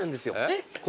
えっ？